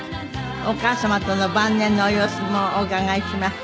お母様との晩年の様子もお伺いします。